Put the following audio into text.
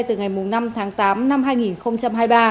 từ ngày năm tháng tám năm hai nghìn hai mươi ba